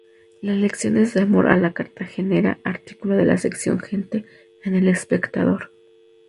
Lecciones de amor a la cartagenera, artículo de la sección Gente, en El Espectador.